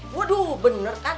waduh bener kan